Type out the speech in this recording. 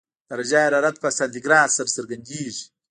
درجه حرارت په سانتي ګراد سره څرګندېږي.